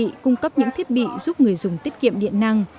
siêu thị cung cấp những thiết bị giúp người dùng tiết kiệm điện năng